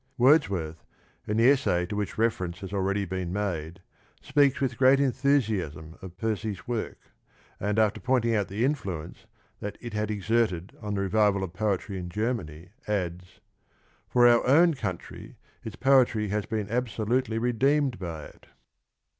Wordsworth, in the essay to which reference has already been made, speaks with great enthusiasm of Percy's work, and, after pointing out the influence that it had exerted on the revival of poetry in Germany, adds : For our own country, its Poetry has hern ahsohitely rrdccrned by it."